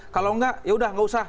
kalau nggak ya udah nggak usah